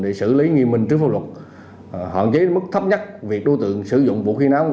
để xử lý nghiên minh trước phong luật họn chế mức thấp nhắc việc đối tượng sử dụng vụ khí nóng